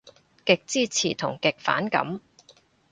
極支持同極反感